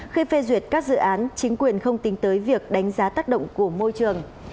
khi phê duyệt các dự án chính quyền không tính tới việc đánh giá tác động của môi trường